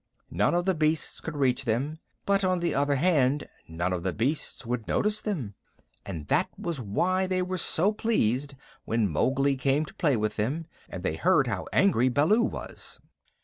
None of the beasts could reach them, but on the other hand none of the beasts would notice them, and that was why they were so pleased when Mowgli came to play with them, and they heard how angry Baloo was.